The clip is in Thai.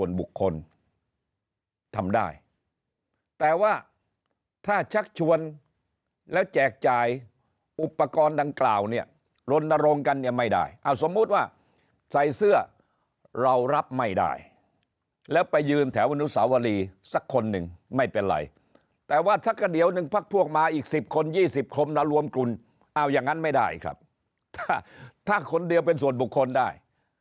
ส่วนบุคคลทำได้แต่ว่าถ้าชักชวนแล้วแจกจ่ายอุปกรณ์ดังกล่าวเนี่ยรณรงค์กันเนี่ยไม่ได้เอาสมมุติว่าใส่เสื้อเรารับไม่ได้แล้วไปยืนแถวอนุสาวรีสักคนหนึ่งไม่เป็นไรแต่ว่าถ้าก็เดี๋ยวหนึ่งพักพวกมาอีก๑๐คน๒๐คนมารวมกลุ่มเอาอย่างนั้นไม่ได้ครับถ้าคนเดียวเป็นส่วนบุคคลได้